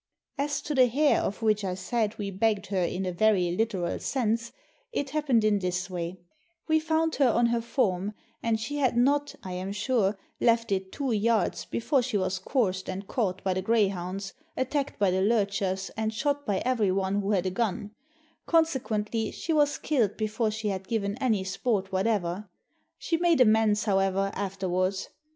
As to the hare of which I said that we bagged her in a very literal sense, it happened in this way: we found her on her form, and she had not, I am sure, left it two yards before she was coursed and caught by the greyhounds, attacked by the lurchers, and shot by every one who had a gun; consequently she was killed before she had given any sport whatever. She made amends, however, after wards.